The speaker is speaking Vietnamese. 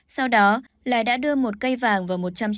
sau đó lai đã đưa một cây vàng vào một nhà tỉnh kiên giang